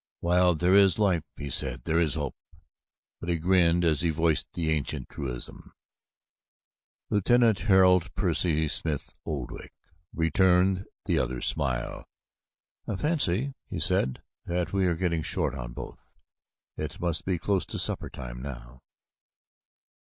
"While there is life," he said, "there is hope," but he grinned as he voiced the ancient truism. Lieutenant Harold Percy Smith Oldwick returned the other's smile. "I fancy," he said, "that we are getting short on both. It must be close to supper time now."